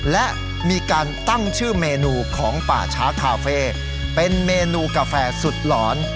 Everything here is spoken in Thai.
และมีการตั้งชื่อเมนูของป่าช้าคาเฟ่เป็นเมนูกาแฟสุดหลอน